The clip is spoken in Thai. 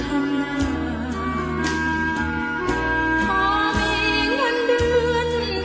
พอมีงานเดือน